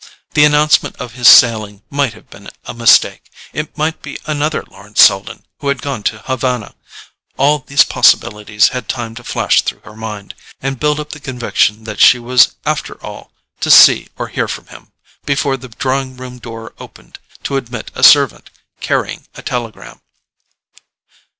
The announcement of his sailing might have been a mistake—it might be another Lawrence Selden who had gone to Havana—all these possibilities had time to flash through her mind, and build up the conviction that she was after all to see or hear from him, before the drawing room door opened to admit a servant carrying a telegram.